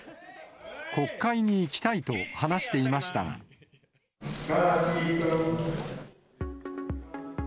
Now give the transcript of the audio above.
国会に行きたいと話していまガーシー君。